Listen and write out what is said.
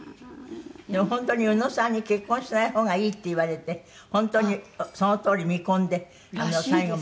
本当に宇野さんに結婚しない方がいいって言われて本当にそのとおり未婚で最後まで。